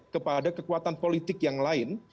kepada kekuatan politik yang lain